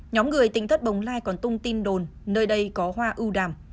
nhóm người tính thất bồng lai còn tung tin đồn nơi đây có hoa ưu đàm